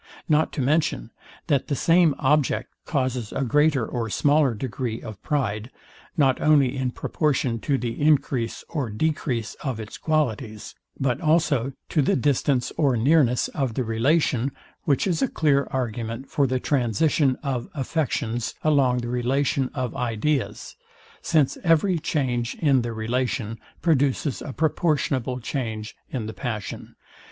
Not to mention, that the same object causes a greater or smaller degree of pride, not only in proportion to the encrease or decrease of its qualities, but also to the distance or nearness of the relation; which is a clear argument for the transition of affections along the relation of ideas; since every change in the relation produces a proportionable change in the passion.